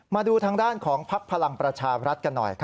มาดูทางด้านของพักพลังประชารัฐกันหน่อย